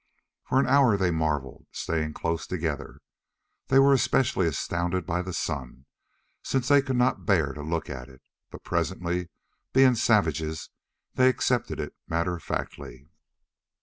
For an hour they marveled, staying close together. They were especially astounded by the sun, since they could not bear to look at it. But presently, being savages, they accepted it matter of factly.